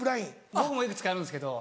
僕もいくつかあるんです。